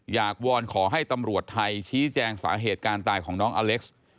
วอนขอให้ตำรวจไทยชี้แจงสาเหตุการณ์ตายของน้องอเล็กซ์